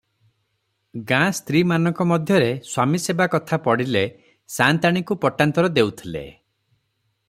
ଗାଁ ସ୍ତ୍ରୀମାନଙ୍କ ମଧ୍ୟରେ ସ୍ୱାମୀସେବା କଥା ପଡ଼ିଲେ, ସାଆନ୍ତାଣୀଙ୍କୁ ପଟାନ୍ତର ଦେଉଥିଲେ ।